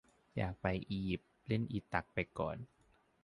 อยากไปอียิปต์ เล่นอีตักไปก่อน